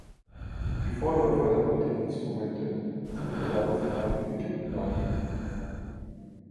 Die Vorläufer der heutigen Instrumente sind bereits im alten Ägypten nachgewiesen.